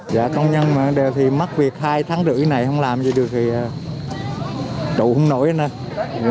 dạ công nhân mà đều thì mắc việc hai tháng rưỡi này không làm gì được thì trụ không nổi nữa